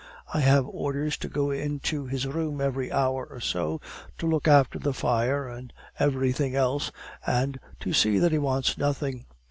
I have orders to go into his room every hour or so, to look after the fire and everything else, and to see that he wants nothing.